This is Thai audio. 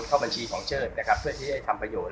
เข้าบัญชีของเชิดนะครับเพื่อที่จะทำประโยชน